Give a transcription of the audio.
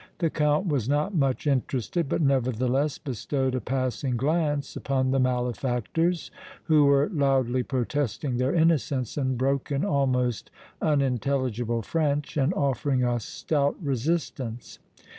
The Count was not much interested, but, nevertheless, bestowed a passing glance upon the malefactors, who were loudly protesting their innocence in broken, almost unintelligible French, and offering a stout resistance.